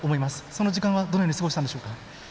その時間はどのように過ごしたんでしょうか？